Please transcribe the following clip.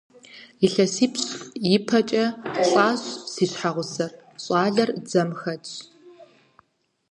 ИлъэсипщӀ ипэкӀэ лӀащ си щхьэгъусэр, щӀалэр дзэм хэтщ.